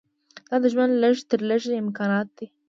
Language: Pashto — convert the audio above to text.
دا د ژوند لږ تر لږه امکانات دي.